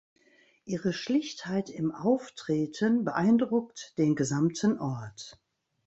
Ihre Schlichtheit im Auftreten beeindruckt den gesamten Ort.